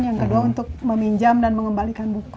yang kedua untuk meminjam dan mengembalikan buku